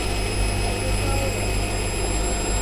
Мый Уфа улам!